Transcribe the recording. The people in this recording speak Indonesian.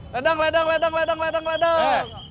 ledang ledang ledang ledang ledang ledang